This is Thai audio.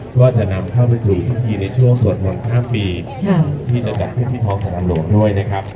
ก็จะนำเข้าไปสู่วิธีในช่วงส่วนผ่อนข้ามปีใช่ที่จะจัดพรุ่งที่ท้องสรรค์หลวงด้วยนะครับ